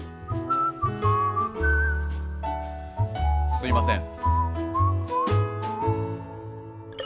すみません。